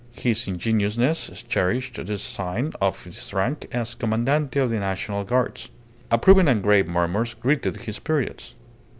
His ingenuousness cherished this sign of his rank as Commandante of the National Guards. Approving and grave murmurs greeted his periods.